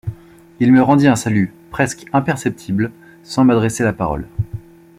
Il me rendit un salut presque imperceptible, sans m’adresser la parole.